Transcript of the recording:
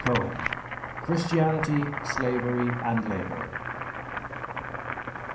Cohen: "Christianity, Slavery and Labor."